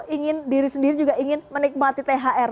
ingin diri sendiri juga ingin menikmati thr